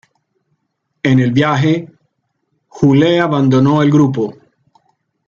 En el viaje, Jule abandonó el grupo.